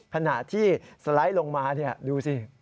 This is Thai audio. ขณะที่สไลด์ลงมาดูสิ